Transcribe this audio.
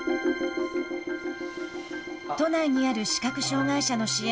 都内にある視覚障害者の支援